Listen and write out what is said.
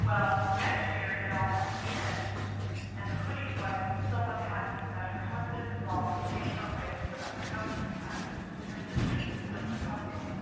Well, the next year it all happened again, and the hoodie's wife was so unhappy that her husband resolved to take her away to another house he had, and her sisters with her for company.